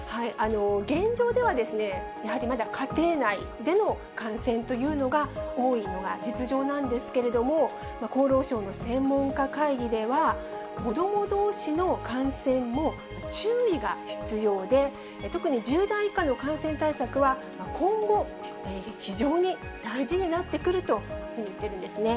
現状では、やはりまだ家庭内での感染というのが多いのが実情なんですけれども、厚労省の専門家会議では、子どもどうしの感染も注意が必要で、特に１０代以下の感染対策は、今後、非常に大事になってくるというふうに言ってるんですね。